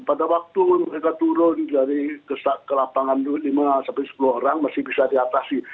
pada waktu mereka turun dari ke lapangan dulu lima sampai sepuluh orang masih bisa diatasi